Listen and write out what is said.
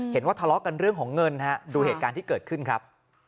เห็นว่าทะเลาะกันเรื่องของเงินฮะดูเหตุการณ์ที่เกิดขึ้นครับ